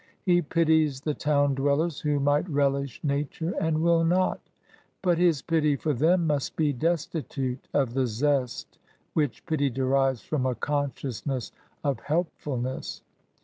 He pities the town dwellers who might relish nature and will not : but his pity for them must be destitute of the zest which pity derives from a consciousness of helpfulness.